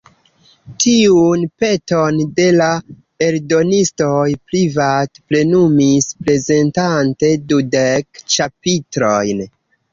Tiun peton de la eldonistoj Privat plenumis prezentante dudek ĉapitrojn.